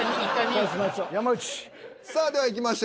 さあではいきましょう。